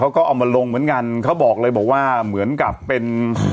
เอามาลงเหมือนกันเขาบอกเลยบอกว่าเหมือนกับเป็น